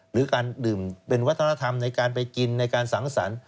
หรือการดื่มเป็นวัฒนธรรมในการไปกินในการสังสรรค์